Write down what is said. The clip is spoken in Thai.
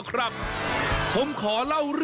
วันนี้พาลงใต้สุดไปดูวิธีของชาวปักใต้อาชีพชาวเล่น